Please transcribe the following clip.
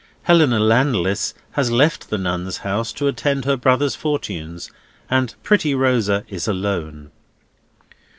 Helena Landless has left the Nuns' House to attend her brother's fortunes, and pretty Rosa is alone.